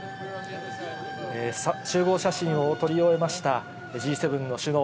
集合写真を撮り終えましたＧ７の首脳。